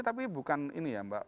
tapi bukan ini ya mbak